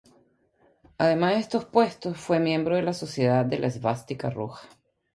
Además de estos puestos, fue miembro de la Sociedad de la Esvástica Roja.